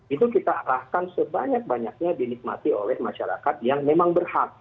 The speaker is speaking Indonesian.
itu kita arahkan sebanyak banyaknya dinikmati oleh masyarakat yang memang berhak